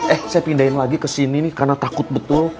eh saya pindahin lagi ke sini nih karena takut betul